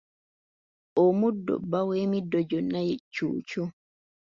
Omuddo bba w’emiddo gyonna ye Cuucu.